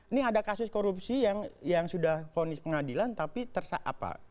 ini ada kasus korupsi yang sudah ponis pengadilan tapi tersak apa